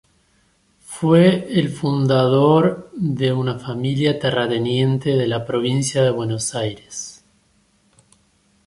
Fue el fundador de una familia terrateniente de la Provincia de Buenos Aires.